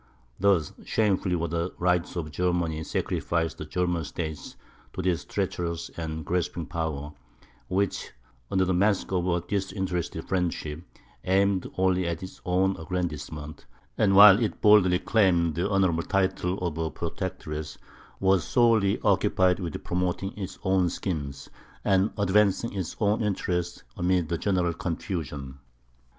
Thus shamefully were the rights of Germany sacrificed by the German States to this treacherous and grasping power, which, under the mask of a disinterested friendship, aimed only at its own aggrandizement; and while it boldly claimed the honourable title of a Protectress, was solely occupied with promoting its own schemes, and advancing its own interests amid the general confusion.